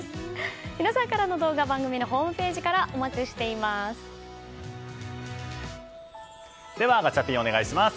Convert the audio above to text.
皆さんからの動画番組のホームページからではガチャピン、お願いします。